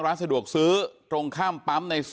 มึงนึกว่าข้ามเขาบ้าง